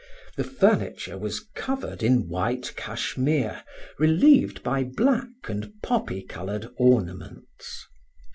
The furniture was covered in white cashmere, relieved by black and poppy colored ornaments.